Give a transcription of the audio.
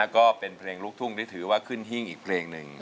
ก็เป็นเพลงลูกทุ่งที่ถือว่าขึ้นหิ้งอีกเพลงหนึ่ง